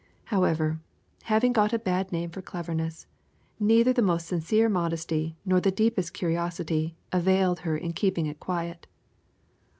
However, having got a bad name for cleverness, neither the most sincere modesty nor the deepest courtesy availed her in keeping it quiet.